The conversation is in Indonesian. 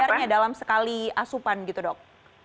sebenarnya dalam sekali asupan gitu dok